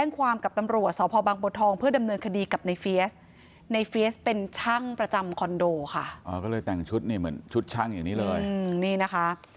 ก็เลยแต่งชุดนี่เหมือนชุดช่างอย่างนี้เลยนี่นะคะ